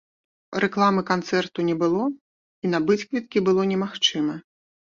Рэкламы канцэрту не было і набыць квіткі было немагчыма.